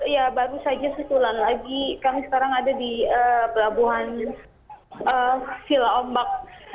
ya baru saja susulan lagi kami sekarang ada di pelabuhan sila ombak